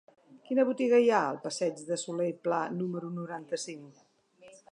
Quina botiga hi ha al passeig de Solé i Pla número noranta-cinc?